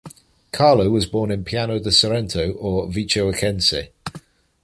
Carlo was born in Piano di Sorrento or Vico Equense.